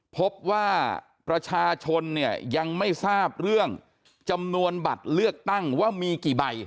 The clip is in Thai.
พบว่าประชาชนเนี่ยยังไม่ทราบเรื่องจำนวนบัตรเลือกตั้งว่ามีกี่ใบ